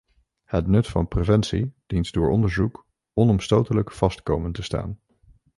Het nut van preventie dient door onderzoek onomstotelijk vast komen te staan.